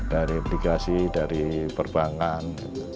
dari obligasi dari perbuangan